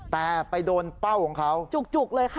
แต่ไปโดนเป้าของเขาจุกเลยค่ะ